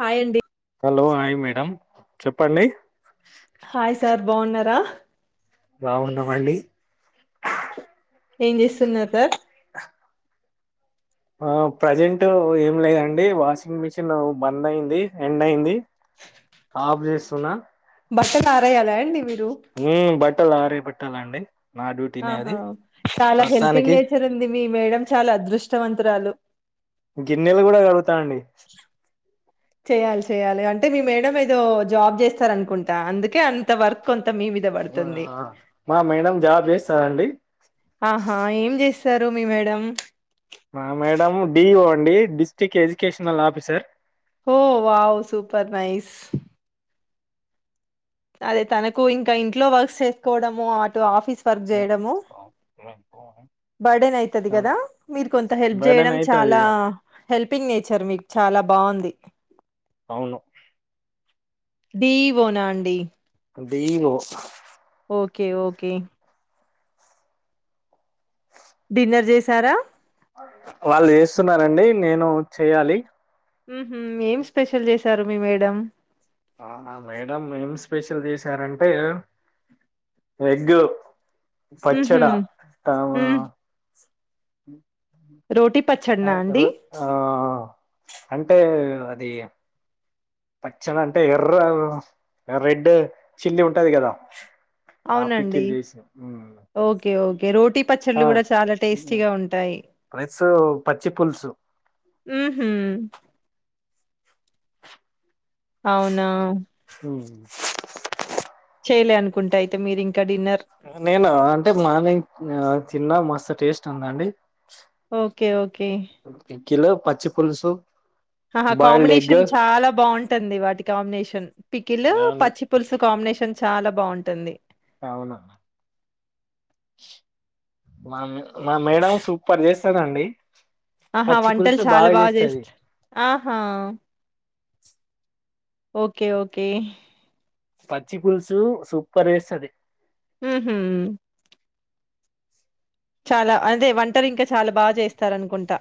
Hi అండి hello hi madam చెప్పండి hi sir బాగున్నారా బాగున్నామండి ఏం చేస్తున్నారు సార్ ఆ ప్రజెంట్ ఏం లేదండి వాషింగ్ మిషిన్ బంద్ అయింది, ఎండ్ అయింది ఆఫ్ చేస్తున్నా బట్టలు ఆరేయాల మ్ బట్ బట్టలు ఆరే బెట్టాల అండి ఆహా చాలా హెల్పింగ్ నేచర్ ఉంది మీ మేడం చాలా అదృష్టవంతురాలు గిన్నెలు కూడా కడు తా అండి చెయ్యాలి చెయ్యాలి అంటే మీ మేడ ఏదో జాబ్ చేస్తార అనుకుంటా అందుకే అంత వర్క్ ఉ ఆ మా మేడ మ్ జాబ్ చేస్తారండి సరు మీ మేడం మా మేడం డిఓ అండి డిస్ట్రిక్ ఎడ్యుకేషనల్ ఆఫీసర్ వో వావ్ సూపర్ నైస్ అదే తనకు ఇంకా ఇంట్లో వర్క్స్ చేసుకోవడము అటు ఆఫీస్ వర్క్ చేయడము బర్డన్ అవుతుంది కదా మీరు కొంత హెల్ప్ బర్డన్ చేయడము అయితది చాలా ఇగ హెల్ప్ పింగ్ నేచర్ మీకు చాలా బావుంది అవును డి ఈ వో నా అండి B E O okay okay dinner చేసారా వాళ్ళు చేస్తున్నారండి నేను చెయ్యాలి ఊహూ ఏం స్పెషల్ చేసారు మీ మేడం ఆ మా మేడం ఏం స్పెషల్ చేసారంటే ఎగ్గు పచ్చడ హుహు. హ్మ్. [unintelligible] [unintelligible] రోటీ పచ్చడినా అండి? రో ఆ అంటే అది పచ్చని అంటే ఎర్ర రెడ్ చిల్లీ ఉంటది కదా ఆ అవునండి పికిల్ చేసి ఉమ్. ఓకే ఓకే రోటీ పచ్చళ్ళ ఆ కూడా చాలా టేస్టీగా ఉంటాయి ప్లస్ పచ్చి పులుసు అవునా హ చెయలే అనుకుంటాయి నేను అంటే మార్నింగ్ తిన్న మస్తు టేస్ట్ ందండి ఓకే ఓకే కిలో పచ్చి పులుసుు ఆహా కాంబినేషన్ చాలా బాగుంటుంది వాటి కాంబినేషన్ న్ పికిలు అవును పచ్చి పులుసు కాంబినేషన్ చాలా బాగుంటుంది అవును మా మా మేడం సూపర్ చేస్తదండి ఆహా పచ్చి వంటలు పులుసు చాలా బాగా చేస్తది చేస్తారు ఆహా [unintelligible] ఓకే ఓకే పచ్చి పులుసు సూపర్ వేస్తాది హుహు. చాలా అంటే వ ఒంటాలు ఇంకా చాలా బాగా చేస్తారనుకుంటా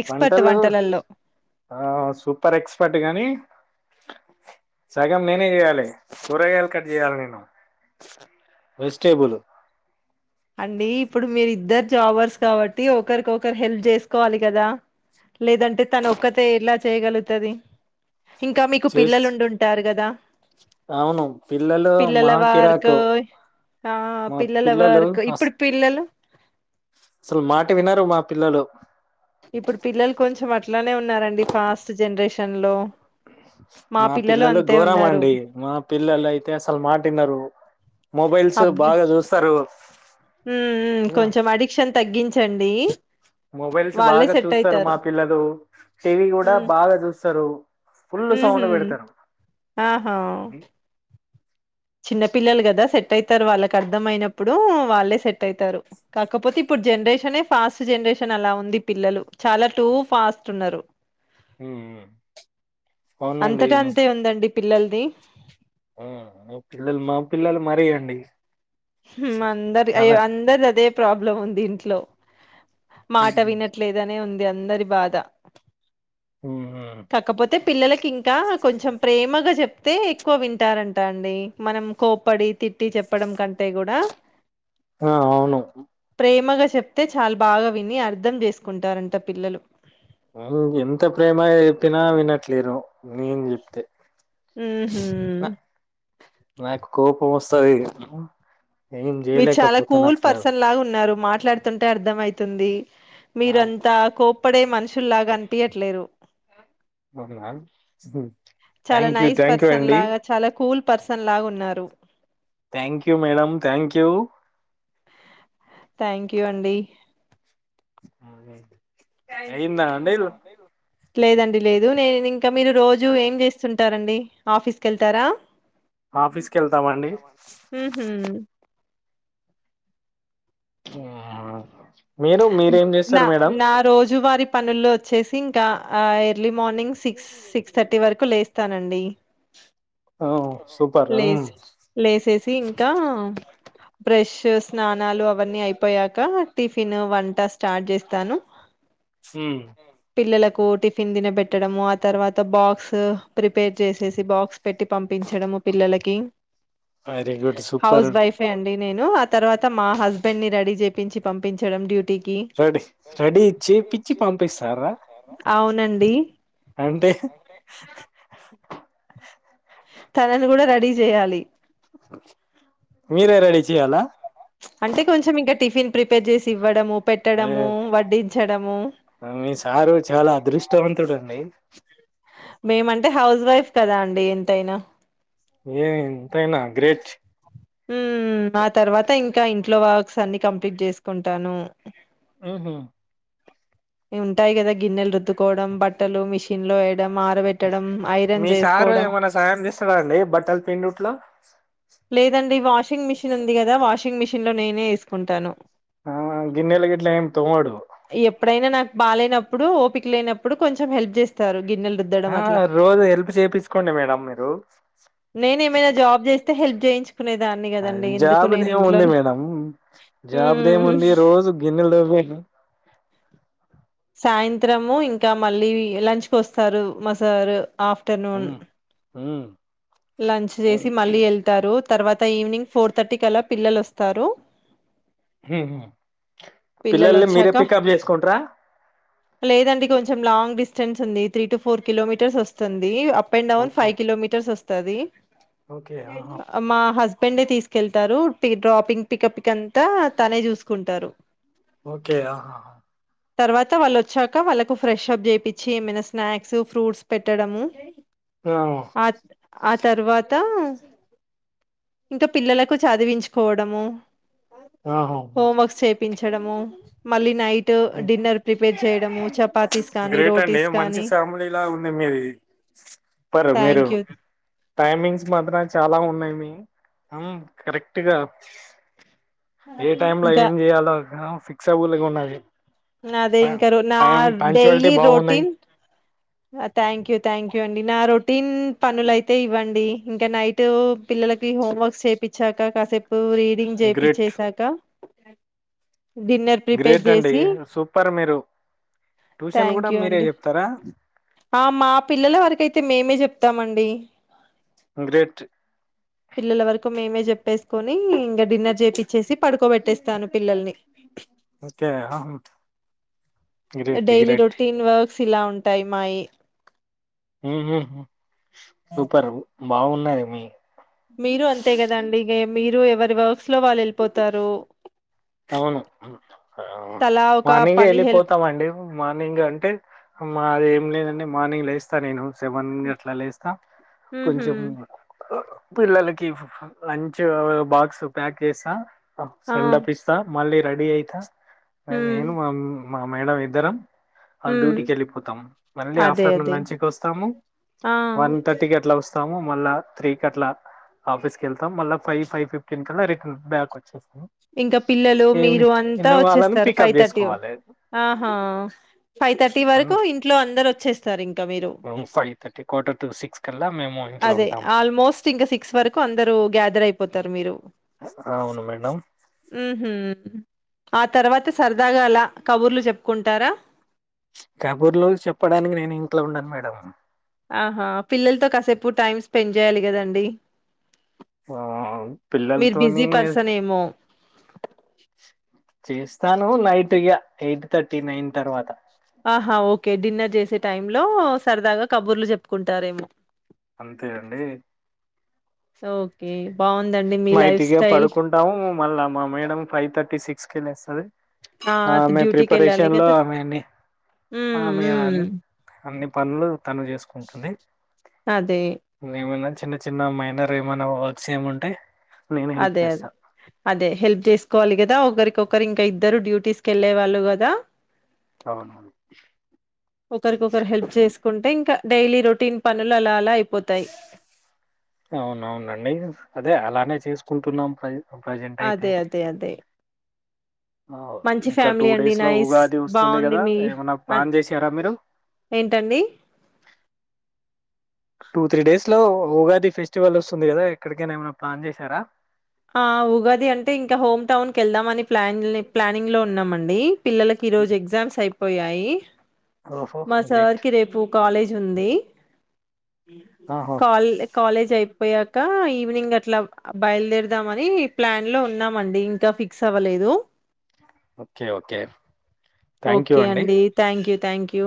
ఎక్స్‌పర్ట్ వంటలు వంటలల్లో. ఆ సూపర్ ఎక్స్పర్ట్ గాని సగం నేనే చేయాలి కూరగాయలు కట్ చేయాలి నేను వెజిటేబుల్ అండి ఇప్పుడు మీరిద్దరు జాబర్స్ కాబట్టి ఒకరికొకరు హెల్ప్ చేసుకోవాలి కదా లేదంటే తన ఒక్కటే ఎలా చేయగలుగుతాది ఇంకా మీకు చేస్ పిల్లలుండింటారు కదా అవును పిల్లలు మహా వర్క్ కిరాకు ఆ! మా పిల్లల పిల్లలు వర్క్ అస్ ఇప్పుడు పిల్లలు అసలు మాట వినరు మా పిల్లలు ఇప్పుడు పిల్లలు కొంచెం అట్లానే ఉన్నారండి ఫాస్ట్ జనరేషన్ లో మా పిల్లలు ఘోరం అండి మా పిల్లలు అయితే అసలు మాటినరు మొబైల్స్ బాగా చూస్తారు ఉ కొంచెం అడిక్షన్ తగ్గించండి మొబైల్స్ వాళ్ళే బాగా సెట్ చూస్తారు. మా అయితారు. పిల్లలు టీవీ కూడా బాగా చూస్తారు. ఫుల్ ఉహ్ సౌండ్ హ్మ్ పెడతారు ఆహ్ హా చిన్న పిల్లలు కదా సెట్ అయితారు వాళ్ళకి అర్థం అయినప్పుడు వాళ్ళే సెట్ అయితారు. కాకపోతే ఇప్పుడు జనరేషనే ఫాస్ట్ జనరేషన్ అలా ఉంది. పిల్లలు చాలా టూ ఫాస్ట్ ఉన్నారు. ఆహ్ అంతటా అంతే ఉందండి పిల్లల్ ది డి హ్మ్ అందరి అయ్యో అందరి అదే ప్రాబ్లం ఉంది ఇంట్లో మాట వినట్లేదనే ఉంద్ దే అందరి బాధ హ్మ్ కాకపోతే పిల్లలకి ఇంకా కొంచెం ప్రేమగా చెప్ ప్తే ఎక్కువ వింటారంటా అండి. మనం కోపడి, తిట్టి చెప్పడం కంటే కూడా ఆహ్ అవును ప్రేమగా చెప్తే చాల్ బాగా విని అర్ధం చేసుకుంటారంట. పిల్లలు వాళ్ళు ఎంత ప్రేమాగా ఎప్పినా విన్నట్లేరు. నేను చెప్తే ఉహు నా నక్ కోపం ఓస్ సరే ఇగా అమ్మ మీరు చాలా కూల్ పర్సన్ లాగా ఉన్నారు. మాట్లాడుతుంటే అర్థం అయితు తుంది మీరంతా కోప్పడే మనుషుల్లాగా అనిపియట్లేరు. అవున ఉహ్ చాలా thank you nice thank you person అండి. లాగా చాలా కూల్ పర్సన్ లాగా ఉన్నారు. క్యూ థ్యాంక్ యూ అండి. హా నైన్త్ లేదండి లేదు. దు నేన్ ఇంకా మీరు రోజు ఏం చేస్తుంట్ ఉంటారండి. ఆఫీస్ కేళ్తారా. ఆఫీస్కి వెళ్తామండి. ఉహు ఆహ్ నా నా రోజు వారి పనుల్లో చేేసింకా early morning six six thirty వరకు లేస్తానండి. ఓ, సూపర్ ఉమ్. లేసి లేసేసి ఇంకా బ్రష్ స్నానాలు అవన్నీ అయిపోయాక టిఫ్ ను వంట స్టార్ట్ చేస్తాను ఉ కు టిఫిన్ తినబెట్టడము ఆ తర్వాత బాక్స్ ప్రిపేర్ చేసేసి బాక్స్ పెట్టి పంపించడము పిల్లలకి వెరి గుడ్ సూపర్ హౌస్ వైఫే అండి నేను ఆ తర్వాత మా హస్బెండ్ ని రెడీ చేపించి పంపి చడము డ్యూటీకి రెడీ రెడీ ఇచ్చి పిచ్చి పంపిస్తారా అవునండి అంటే తనను కూడా రెడీ చేయాలి మీరే రెడి చేయాలా అంటే కొంచెం ఇంకా టిఫిన్ ప్రిపేర్ చేసి ఇవ్వడము నే పెట్టడము వడ్డించడము మీ సారు చాలా అదృష్టవంతుడండి మేమంటే హౌస్ వైఫ్ కదా అండి ఎంతైనా ఏ ఎంతైనా గ్రేట్. ఉ ఆ తర్వాత ఇంకా ఇంట్లో వర్క్స్ అన్ని కంప్లీట్ చేసుకుంటాను ఉహు ఈ ఉంటాయి కదా గిన్నెలు రుద్దుకోవడం బట్టలు మిషిన్ లో ఆరబెట్టడం ఐరన్ మీ సారు చేసుకోవడం ఏమన్నా సాయం చేస్తాడా అండి బట్టలు పిండుట్లో? లేదండి వాషింగ్ మిషన్ ఉంది కదా వాషింగ్ మిషన్ లే నేనే చేసుకుంటాను ఆ గిన్నెల గిట్ల ఏం తోమడు ఈ నాకు బాలేనప్పుడు ఓపిక లేనప్పుడు కొంచెం హెల్ప్ చేస్తారు గిన్నెలు రుద్దడం ఆ అట్లా రోజు హెల్ప్ చేపించుకోండి మేడం మీరు చేయించు ఆ జాబు దేముంది మేడం ఉమ్ జాబుదేముంది రోజు గిన్నెలు తోమి సాయంత్రము ఇంకా మళ్ళీ లంచ్ కు వస్తారు మా సారు ఆఫ్టర్నూన్ హ్మ్. హ్మ్. లంచ్ చేసి మళ్ళీ వెళ్తారు తర్వాత ఈవినింగ్ ఫోర్ థర్టీ కలా పిల్లలు వస్తారు పిల్లలు పిల్లల్లు మీరే వచ్చాక పికప్ చేసుకుంటర లేదండి కొంచెం లాంగ్ డిస్టెన్స్ ఉంది త్రీ టు ఫోర్ కిలోమీటర్స్ వస్తుంది up and down okay five kilometres వస్ తది ఓకే ఆహా మా హస్ పెండే తీసుకెళ్తారు డ్రాపింగ్ పికప్ కంతా తనే చూసుకుంటారు ఓకే ఆహా తర్వాత వాళ్ళు వచ్చాక వాళ్ళకు ఫ్రెష్ప్ చేయిచ్చి ఏమైనా స్నాక్స్ ఫ్రూట్స్ పెట్టడము ఆ ఆ ఆ తర్వాత ఇంకా పిల్లలకు చదివించుకోవడము ఆఓహ హోంవర్క్స్ చేపించడము మళ్ళీ నైట్ డిన్నర్ ప్రిపేర్ చేయడము చపాతీస్ కానీ గ్రేట్ అండి రోటీస్ మంచి కానీ ఫ్యామిలీలా ఉంది మీది సుప్పర్ మీరు థ్యాంక్ యూ టైమింగ్స్ మాత్రం చాలా ఉన్నాయి మీ కరెక్ట్గా ఏ టైమ్ లో ఇంకా ఏం చేయాలో ఫిక్ [unintelligible] గా ఉన్నది అదే ఇంక నా టైం పంచువాలిటీ డైలీ బాగున్నాయి routine thank you thank you అండి నా రొటీన్ పనులయితే ఇవ్వండి ఇంకా నైట్ పిల్లలకి హోమ్వర్క్స్ చేపిచ్చాక కాసేపు రీడింగ్ చెప్పిచ్చి గ్రేట్ చేసాక గ్రేట్ అండి చేసి సూపర్ మీరు ట్యూషన్ థ్యాంక్ కూడా యూ మీరే అండి చెప్తారా ఆ మా పిల్లల వరకయితే మేమే చెప్తామండి గ్రేట్ పిల్లల వరకు మేమే చెప్ప ప్పేసుకొని ఇంకా డిన్నర్ చేపిచ్చేసి పడుకోబెట్టేస్తాను పిల్లల్ని ఓకే గ్రేట్ గ్రేట్ [unintelligible] టైమయు సూపర్ బాగున్నా ది మీ మీరు అంతే కదండి మీరు ఎవరి వర్ లో వాళ్ళు వెళ్ళిపోతారు అవును తలా ఒక మార్నింగే పని హెల్ప్ వెళ్ళిపోతామండి మార్నింగ్ అంటే మా ఏం లేదండి మార్నింగ్ లేస్తా నేను సెవన్ ఎట్లా లేస్తా ఉహు కొంచెం పిల్లలకి లంచ్ బాక్స్ ప్యాక్ చేస్తా ఆ సెండ్ ఆఫ్ మళ్ళీ రెడీ అయితా ఉమ్ నేను మా మా మేడం ఇద్దరం ఉమ్ డ్యూటీకి వెళ్ళిపోతాము మళ్ళీ అదే ఆఫ్టర్నూన్ అదే లంచ్ కి వస్తాము ఆ వన్ థర్టీకి అట్లా వస్త ము మళ్ళా త్రీ కట్లా ఆఫీస్ క వెళ్తాము మళ్ళ ఫైవ్ ఫైవ్ ఫిఫ్టీన్ కలా రిట బ్యాక్ వచ్చేస్తాము ఇంకా పిల్లలు మీరు అంతా వచ్చేస్తారు ఫైవ్ పికప్ థర్టీ చేసుకోవాలి ఆహా ఫైవ్ థర్టీ వరకు ఇంట్లో అందరు వచ్చ చేస్తారు ఇంకా five thirty quarter to six కల్లా మేము ఇంట్లో అదే ఉంటాం ఆలస్ట్ ఇంకా సిక్స్ వరకు అందరు గ్యాదర్ అయిపోతారు మీరు అవును మేడం ఆ హ ఆ తర్వాత సరదాగా అలా కబుర్లు చెప్పుకుంటారా కబూర్లో చెప్పడానికి నేను ఇంట్లో ఉన్నాను మేడం ఆహా పిల్లలతో కాసేపు టైమ్ స్పెండ్ చేయాలి కదండి ఆ మీరు బిజీ పిల్లతోని పర్సన్ ఏమో చేస్తాను నైట్ ఇగా ఎయిట్ థర్టీ నైన్ తర్వాత ఆహా ఓకే డిన్నర్ చేసే టైమ్ లో సరదాగా కబుర్లు చెప్పుకుంటారేమో అంతే అండి ఓకే బాగుం మైటిగా పడుకుంటాము మళ్ళా మా మేడం ఫైవ్ థర్టీ సిక్స్ కెళ్ళిస్తది ఆ! ఆమె డ్యూటీకెళ్ళాలి ప్రిపరేషన్ లో కదా! ఆమె అన్ని హ్మ్. ఆమె హ్మ్. అన్ని పనులు తను చేసుకుంటుంది అదే. ఏమైనా చిన్న చిన్న మైనర్ ఏమైనా వర్క్స్ ఏముంటాయి అదే అదే అదే హెల్ప్ చేసుకోవాలి కదా ఒకరికి ఒకరు ఇంకా ఇద్దరు డ్యూటీస్కిళ్ళలేవాళ్ళు కదా అవునవును. ఒకరికొకరు హెల్ప్ చేసుకుంటే ఇంకా డైలీ రొటీన్ పనులు అలా అలా అయిపోతాయి. అవునవునండి అదే అలా చేసుకుంటున్నాం ప్రై అదే అదే అదే అ మంచి ఇంకా టూ ఫ్యామిలీ అండి. డేస్ లో నైస్. ఉగాది వస్తుంది బావుంది కదా, మీ ఏమన్నా అన్ ప్లాన్ చేసారా మీరు ఏంటండి? టూ త్రీ డేస్ లో ఉగాది ఫెస్టివల్ వస్తుంది కదా ఎక్కడికైనా ఏమైనా ప్లాన్ చేశారా ఆ ఉగాది అంటే ఇంకా హోమ్ టౌన్ కి వెళ్దామని ప్లాని ప్లానింగ్ లో ఉన్నామండి పిల్లలకి హ్మ్. ఈరోజు ఎగ్జమ్స్ అయ్ పోయయి ఓహో! మా గ్రేట్. సార్కి రేపు కాలేజ్ ఉంది ఆహా! కాల్ కాలేజ్ అయి పోయాక ఈవినింగ్ అట్లా బయలుదేర్ ద్దామని ప్లాన్ లో ఉన్నామండి ఇంకా ఫిక్స్ అవ్వలేదు okay. Okay. Thank you okay అండి థ్యాంక్ యూ థ్యాంక్ యూ.